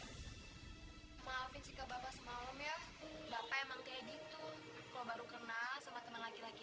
hai maafin sikap bapak semalam ya bapak emang kayak gitu kau baru kenal sama teman laki laki